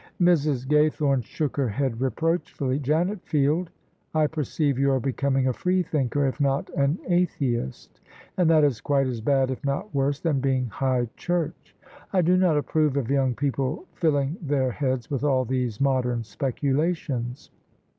Mrs. Gaythorne shook her head reproachfully. "Janet Field, I perceive you are becoming a freethinker, if not an atheist: and that is quite as bad, if not worse, than being high church. I do not approve of young people filling their heads with all these modem speculations."